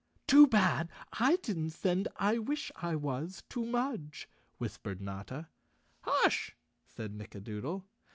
"Too bad I didn't send I wish I was to Mudge," whispered Notta. "Hush," said Nickadoodle.